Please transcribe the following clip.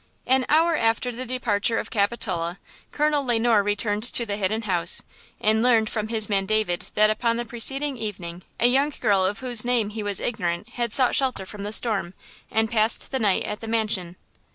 AN hour after the departure of Capitola, Colonel Le Noir returned to the Hidden House and learned from his man David that upon the preceding evening a young girl of whose name he was ignorant had sought shelter from the storm and passed the night at the mansion.